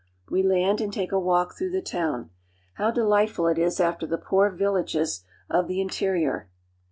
We land and take a walk through the town. How delightful it is after the poor villages of the interior!